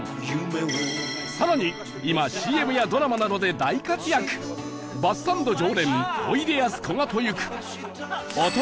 更に今 ＣＭ やドラマなどで大活躍バスサンド常連おいでやすこがと行く